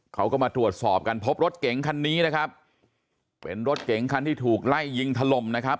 เขาก็มาตรวจสอบกันพบรถเก๋งคันนี้นะครับเป็นรถเก๋งคันที่ถูกไล่ยิงถล่มนะครับ